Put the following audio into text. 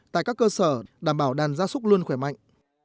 tại các cơ sở đảm bảo đàn gia súc luôn khỏe mạnh